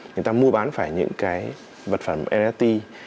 người ta mua bán phải những cái vật phẩm red